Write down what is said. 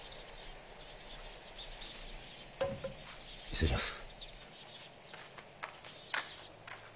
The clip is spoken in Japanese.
失礼します。